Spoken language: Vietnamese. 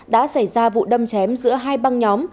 đã xảy ra vụ đâm chém giữa hai băng nhóm